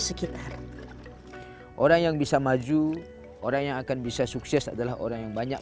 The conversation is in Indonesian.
sekitar orang yang bisa maju orang yang akan bisa sukses adalah orang yang banyak